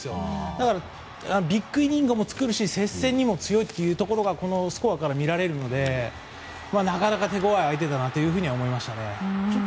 だから、ビッグイニングを作るし接戦にも強いことがこのスコアから見られるのでなかなか手ごわい相手だなと思いました。